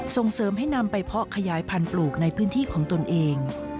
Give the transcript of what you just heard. ส่งเสริมให้นำไปเพาะขยายพันธุ์ปลูกในพื้นที่ของตนเอง